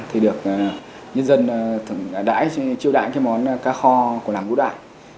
thì được nhân dân chiêu đại món cá kho của làng vũ đại